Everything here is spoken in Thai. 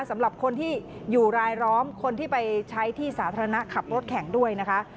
สำหรับคนที่อยู่รายล้อมคนที่ไปใช้ที่สาธารณะขับรถแข่งด้วยนะคะ